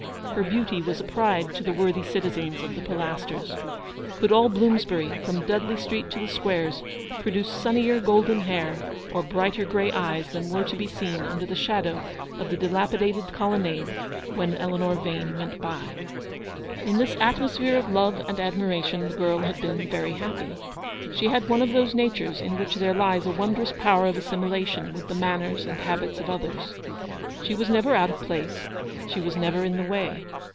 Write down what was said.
Her beauty was a pride to the worthy citizens of the Pilasters. Could all Bloomsbury, from Dudley Street to the Squares, produce sunnier golden hair or brighter grey eyes than were to be seen under the shadow of the dilapidated colonnade when Eleanor Vane went by ? In this atmosphere of love and admiration, the girl had been very happy. She had one of those natures in which there lies a wondrous power of assimilation with the manners and habits of others. She was never out of place; she was never in the way.